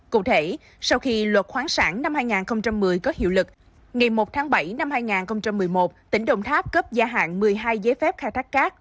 cụ thể sau khi luật khoáng sản năm hai nghìn một mươi có hiệu lực ngày một tháng bảy năm hai nghìn một mươi một tỉnh đồng tháp cấp gia hạn một mươi hai giấy phép khai thác cát